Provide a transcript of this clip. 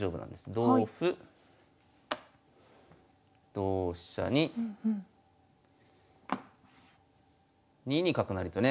同歩同飛車に２二角成とね。